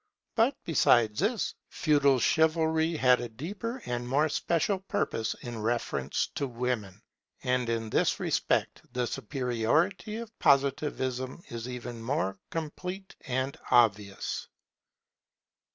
But besides this, Feudal Chivalry had a deeper and more special purpose in reference to women. And in this respect the superiority of Positivism is even more complete and obvious.